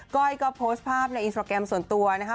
ก้อยก็โพสต์ภาพในอินสตราแกรมส่วนตัวนะคะ